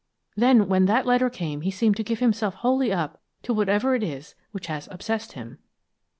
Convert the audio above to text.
Then, when that letter came he seemed to give himself wholly up to whatever it is which has obsessed him."